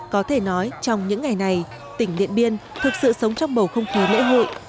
có thể nói trong những ngày này tỉnh điện biên thực sự sống trong bầu không khí lễ hội